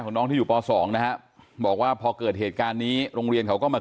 น้องที่อยู่ป๒นะฮะบอกว่าพอเกิดเหตุการณ์นี้โรงเรียนเขาก็มา